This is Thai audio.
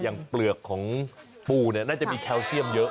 เปลือกของปูเนี่ยน่าจะมีแคลเซียมเยอะ